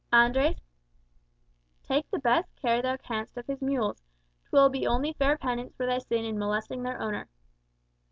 Andres, take the best care thou canst of his mules; 'twill be only fair penance for thy sin in molesting their owner."